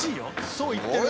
そう言ってる。